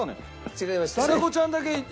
違いましたね。